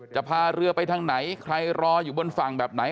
พาเรือไปทางไหนใครรออยู่บนฝั่งแบบไหน